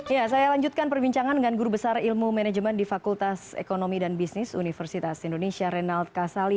ya saya lanjutkan perbincangan dengan guru besar ilmu manajemen di fakultas ekonomi dan bisnis universitas indonesia reynald kasali